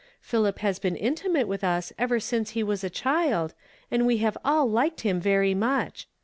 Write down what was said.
Philip has been intimate with us ever s'nce he was a child, and we have all liked him very much.